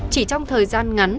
chỉ trong thời gian ngắn